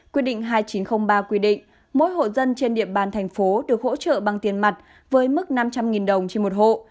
quy định hai nghìn chín trăm linh ba quy định mỗi hộ dân trên địa bàn thành phố được hỗ trợ bằng tiền mặt với mức năm trăm linh đồng trên một hộ